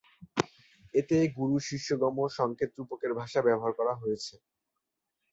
এতে গুরু-শিষ্যগম্য সঙ্কেত-রূপকের ভাষা ব্যবহার করা হয়েছে।